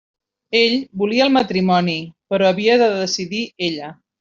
Ell volia el matrimoni, però havia de decidir ella.